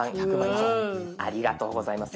ありがとうございます。